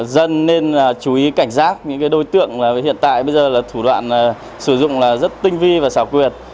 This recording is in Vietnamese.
dân nên chú ý cảnh giác những đối tượng hiện tại bây giờ là thủ đoạn sử dụng là rất tinh vi và xảo quyệt